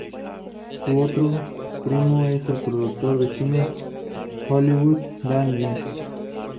Su otro primo es el productor de cine Hollywood, Dan Lin.